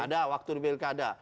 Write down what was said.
nah waktu di pilkada